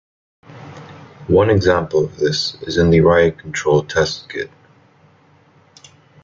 One example of this is in the "Riot Control Test" skit.